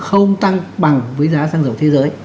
không tăng bằng với giá sang dầu thế giới